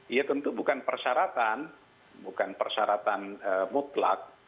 iya tentu bukan persyaratan bukan persyaratan mutlak